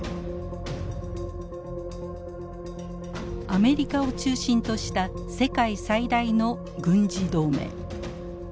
アメリカを中心とした世界最大の軍事同盟。